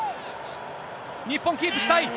日本、キープしたい。